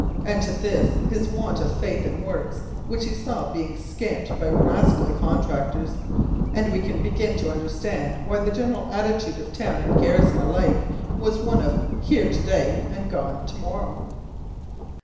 Add to this his want of faith in works which he saw being scamped by rascally contractors, and we can begin to understand why the general attitude of town and garrison alike was one of 'Here to day and gone to morrow.'